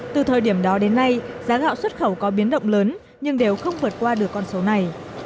từ thời điểm đó đến nay giá gạo xuất khẩu có biến động lớn nhưng đều không vượt qua được con số này